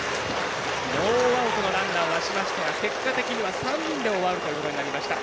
ノーアウトのランナーを出しましたが結果的には３人で終わるということになりました。